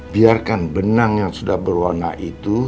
biarkan benang yang sudah berwarna itu